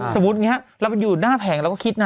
สมมุติอย่างนี้เราไปอยู่หน้าแผงเราก็คิดนะ